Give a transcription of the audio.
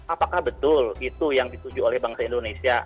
apakah betul itu yang dituju oleh bangsa indonesia